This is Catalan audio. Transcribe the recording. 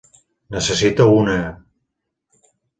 Necessita una...?